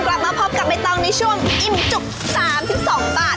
กลับมาพบกับใบตองในช่วงอิ่มจุก๓๒บาท